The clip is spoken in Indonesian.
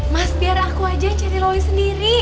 mas biar aku aja cari loli sendiri